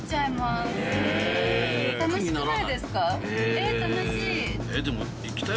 え楽しい。